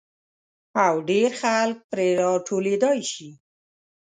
او ډېر خلک پرې را ټولېدای شي.